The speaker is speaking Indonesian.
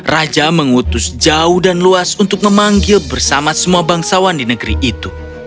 raja mengutus jauh dan luas untuk memanggil bersama semua bangsawan di negeri itu